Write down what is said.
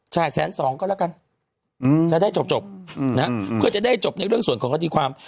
จ่ายแสนสองก็แล้วกันอืมจะได้จบจบอืมนะฮะเพื่อจะได้จบในเรื่องส่วนของคติความ